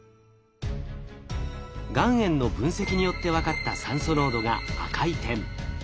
岩塩の分析によって分かった酸素濃度が赤い点。